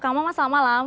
kang maman selamat malam